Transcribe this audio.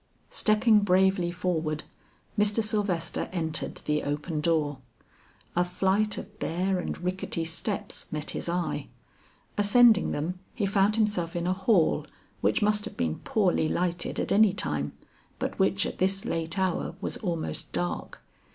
Stepping bravely forward, Mr. Sylvester entered the open door. A flight of bare and rickety steps met his eye. Ascending them, he found himself in a hall which must have been poorly lighted at any time, but which at this late hour was almost dark.